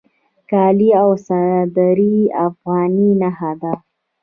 کالي او صدرۍ د افغاني نښه ده